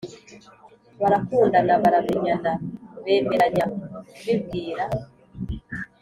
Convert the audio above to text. barakundana, baramenyana, bemeranya kubibwira